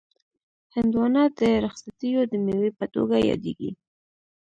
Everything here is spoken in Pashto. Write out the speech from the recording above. هندوانه د رخصتیو د مېوې په توګه یادیږي.